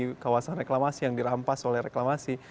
di kawasan reklamasi yang dirampas oleh reklamasi